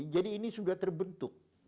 jadi ini sudah terbentuk